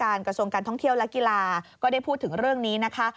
กระทรวงการท่องเที่ยวและกีฬาก็ได้พูดถึงเรื่องนี้นะคะ